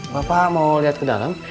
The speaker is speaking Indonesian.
bapak mau lihat ke dalam